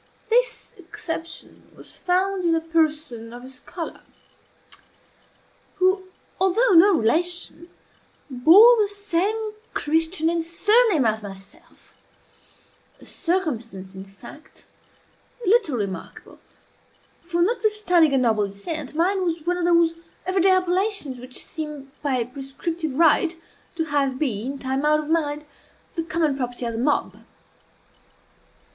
This exception was found in the person of a scholar who, although no relation, bore the same Christian and surname as myself, a circumstance, in fact, little remarkable; for, notwithstanding a noble descent, mine was one of those every day appellations which seem by prescriptive right to have been, time out of mind, the common property of the mob.